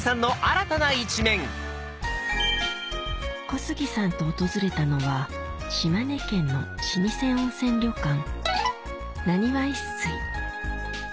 小杉さんと訪れたのは島根県の老舗温泉旅館